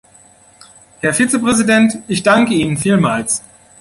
Herr Vizepräsident, ich danke Ihnen vielmals.